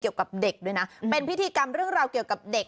เกี่ยวกับเด็กด้วยนะเป็นพิธีกรรมเรื่องราวเกี่ยวกับเด็ก